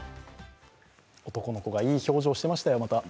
男の子がいい表情してましたよ、また。